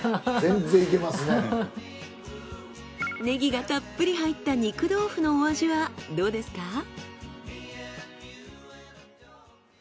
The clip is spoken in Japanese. ねぎがたっぷり入った肉豆腐のお味はどうですか？